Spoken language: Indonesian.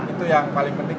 itu yang paling penting